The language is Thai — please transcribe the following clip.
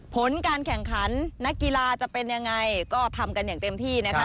ผลการแข่งขันนักกีฬาจะเป็นยังไงก็ทำกันอย่างเต็มที่นะคะ